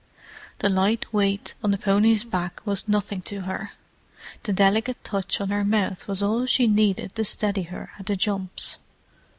The light weight on the pony's back was nothing to her; the delicate touch on her mouth was all she needed to steady her at the jumps.